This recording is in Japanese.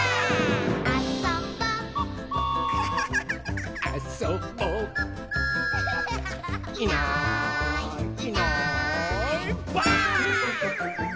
「あそぼ」「あそぼ」「いないいないばあっ！」